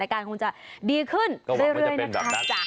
การคงจะดีขึ้นเรื่อยนะคะ